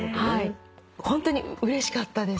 ホントにうれしかったです。